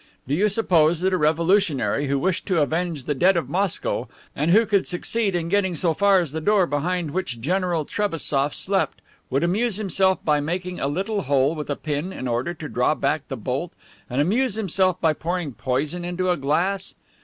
Do you suppose that a revolutionary who wished to avenge the dead of Moscow and who could succeed in getting so far as the door behind which General Trebassof slept would amuse himself by making a little hole with a pin in order to draw back the bolt and amuse himself by pouring poison into a glass?